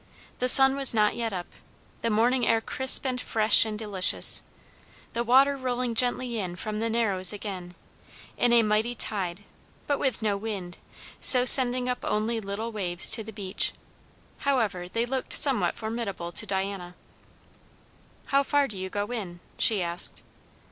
The sun was not yet up; the morning air crisp and fresh and delicious; the water rolling gently in from the Narrows again, in a mighty tide, but with no wind, so sending up only little waves to the beach; however, they looked somewhat formidable to Diana. "How far do you go in?" she asked.